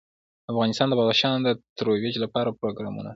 افغانستان د بدخشان د ترویج لپاره پروګرامونه لري.